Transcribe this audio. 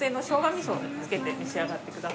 味噌をつけて召し上がってください。